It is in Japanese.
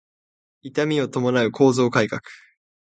痛みを伴う構造改革